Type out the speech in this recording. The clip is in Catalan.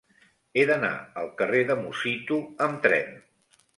He d'anar al carrer de Musitu amb tren.